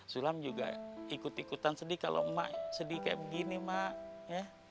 sulam juga ikut ikutan sedih kalau emak sedih kayak begini mak ya